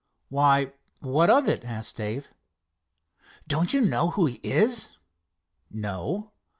"Why, what of it?" asked Dave. "Don't you know who he is?" "No."